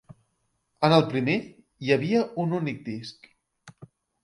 En el primer hi havia un únic disc.